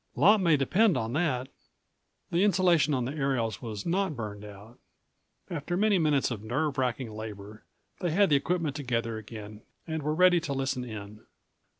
Lot may depend on that." The insulation on the aerials was not burned out. After many minutes of nerve racking labor they had the equipment together again and were ready to listen in.